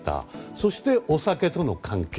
そして、お酒との関係